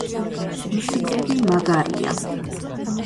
მუსიკები მაგარია